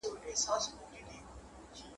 ه کله داسي ښکاري `